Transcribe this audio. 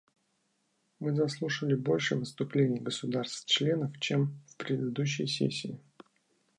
Мы заслушали больше выступлений государств-членов, чем в предыдущие сессии.